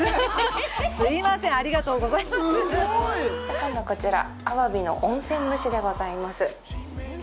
今度、こちらアワビの温泉蒸しでございます。